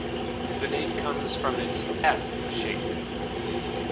The name comes from its "F" shape.